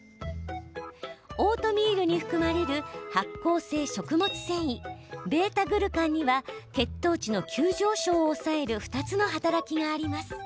オートミールに含まれる発酵性食物繊維β−グルカンには血糖値の急上昇を抑える２つの働きがあります。